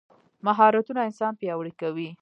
مهارتونه انسان پیاوړی کوي.